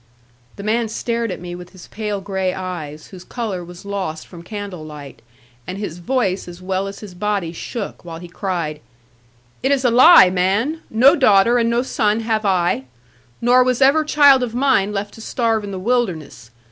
The man stared at me with his pale gray eyes, whose colour was lost from candle light; and his voice as well as his body shook, while he cried, 'It is a lie, man. No daughter, and no son have I. Nor was ever child of mine left to starve in the wilderness.